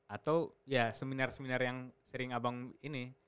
atau ya seminar seminar yang sering abang ini